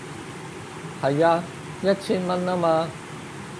係啊，一千蚊吖嘛